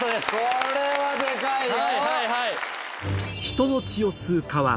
これはでかいよ。